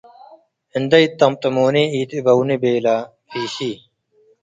“እንዴ ኢትጠምጥሙኒ ኢትእበውኒ” በለ ፊሺ።